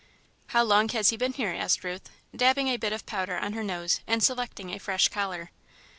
"How long has he been here?" asked Ruth, dabbing a bit of powder on her nose and selecting a fresh collar.